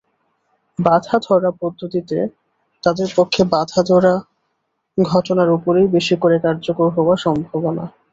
বাঁধা-ধরা পদ্ধতিতে তাদের পক্ষে বাঁধা-ধরা ঘটনার ওপরেই বেশি করে কার্যকর হওয়ার সম্ভাবনা।